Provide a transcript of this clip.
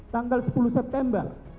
tanggal sepuluh september